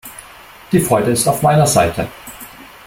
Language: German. Die Freude ist auf meiner Seite!